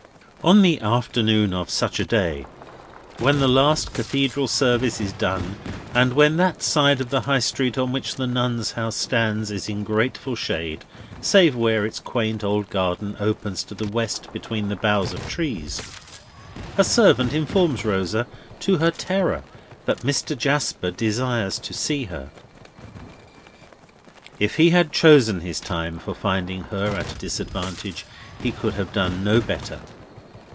On the afternoon of such a day, when the last Cathedral service is done, and when that side of the High Street on which the Nuns' House stands is in grateful shade, save where its quaint old garden opens to the west between the boughs of trees, a servant informs Rosa, to her terror, that Mr. Jasper desires to see her. If he had chosen his time for finding her at a disadvantage, he could have done no better.